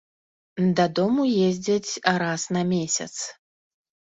Дадому ездзяць раз на месяц.